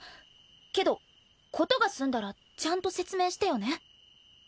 けど事が済んだらちゃんと説明してよね。